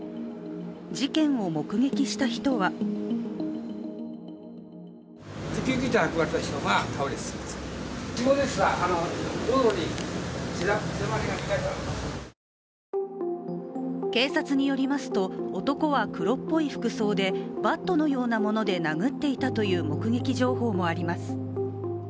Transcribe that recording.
事件を目撃した人は警察によりますと、男は黒っぽい服装でバットのようなもので殴っていたという目撃情報もあります。